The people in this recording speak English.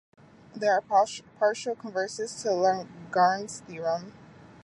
There are partial converses to Lagrange's theorem.